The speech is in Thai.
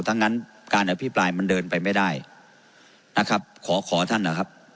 ทั้งนั้นการอภิปรายมันเดินไปไม่ได้นะครับขอขอท่านนะครับ